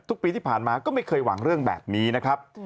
ทุกปีที่ผ่านมาก็ไม่เคยหวังเรื่องแบบนี้นะครับ